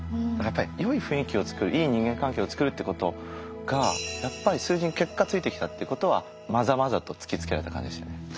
だからやっぱりよい雰囲気をつくるいい人間関係をつくるってことがやっぱり数字に結果ついてきたってことはまざまざと突きつけられた感じですよね。